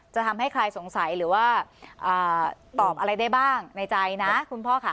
จะทำให้ใครสงสัยหรือว่าตอบอะไรได้บ้างในใจนะคุณพ่อค่ะ